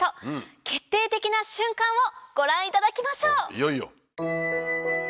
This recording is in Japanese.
決定的な瞬間をご覧いただきましょう！